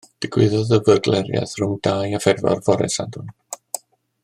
Digwyddodd y fyrgleriaeth rhwng dau a phedwar fore Sadwrn.